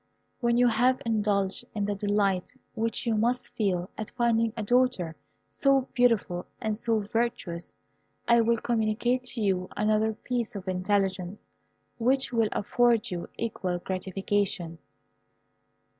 When you have indulged in the delight which you must feel at finding a daughter so beautiful and so virtuous I will communicate to you another piece of intelligence, which will afford you equal gratification."